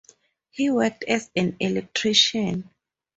He worked as an electrician.